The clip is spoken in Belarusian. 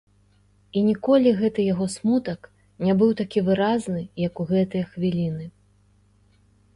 І ніколі гэты яго смутак не быў такі выразны, як у гэтыя хвіліны.